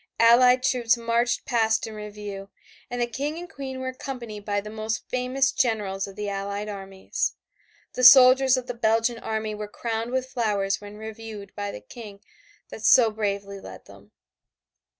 Allied troops marched past in review, and the King and Queen were accompanied by the most famous generals of the Allied armies. The soldiers of the Belgian army were crowned with flowers when reviewed by the King that so bravely led them.